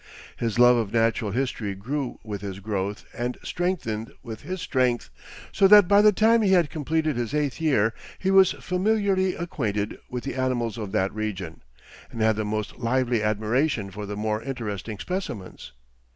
His love of natural history grew with his growth and strengthened with his strength, so that by the time he had completed his eighth year he was familiarly acquainted with the animals of that region, and had the most lively admiration for the more interesting specimens.